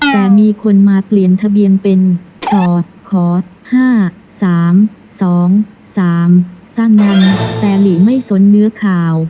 แต่มีคนมาเปลี่ยนทะเบียนเป็นช่อขอ๕๓๒๓สร้างดันแต่หลีไม่สนเนื้อข่าว